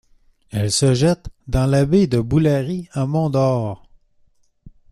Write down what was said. Elle se jette dans la baie de Boulari à Mont-Dore.